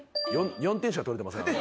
４点しか取れてません。